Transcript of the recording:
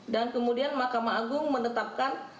dan kemudian mahkamah agung menetapkan